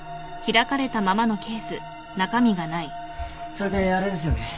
それであれですよね。